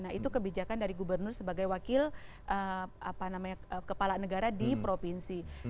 nah itu kebijakan dari gubernur sebagai wakil kepala negara di provinsi